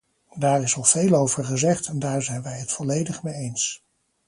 Daar is al veel over gezegd en daar zijn wij het volledig mee eens.